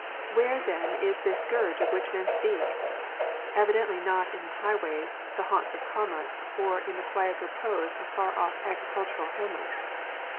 Where, then, is this scourge of which men speak ? Evidently not in the highways, the haunts of commerce, or in the quiet repose of far off agricultural hamlets.